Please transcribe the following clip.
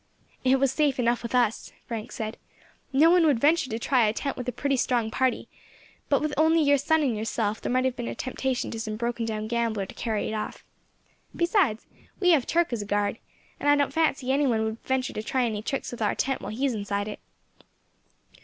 "It was safe enough with us," Frank said. "No one would venture to try a tent with a pretty strong party; but with only your son and yourself there might have been a temptation to some broken down gambler to carry it off. Besides, we have Turk as a guard, and I don't fancy any one would venture to try any tricks with our tent while he is inside it."